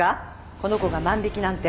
この子が万引きなんて。